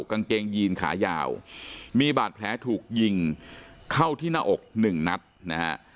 กางเกงยีนขายาวมีบาดแผลถูกยิงเข้าที่หน้าอกหนึ่งนัดนะฮะ